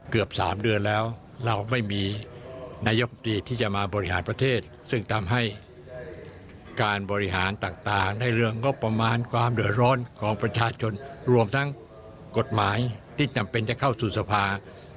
เกือบ๓เดือนแล้วเราไม่มีนายกรรมตรีที่จะมาบริหารประเทศซึ่งทำให้การบริหารต่างในเรื่องงบประมาณความเดือดร้อนของประชาชนรวมทั้งกฎหมายที่จำเป็นจะเข้าสู่สภา